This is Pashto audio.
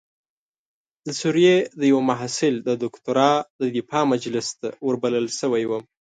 د سوریې د یوه محصل د دکتورا د دفاع مجلس ته وربلل شوی وم.